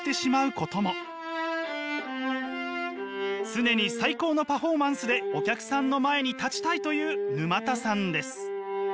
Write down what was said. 常に最高のパフォーマンスでお客さんの前に立ちたいという沼田さんです。